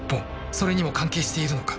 それにも関係しているのか？